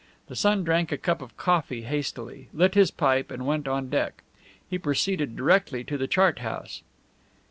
The son drank a cup of coffee hastily, lit his pipe, and went on deck. He proceeded directly to the chart house.